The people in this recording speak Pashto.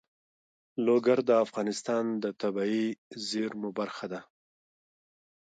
لوگر د افغانستان د طبیعي زیرمو برخه ده.